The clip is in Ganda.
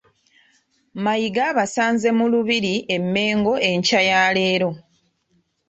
Mayiga abasanze mu Lubiri e Mmengo enkya ya leero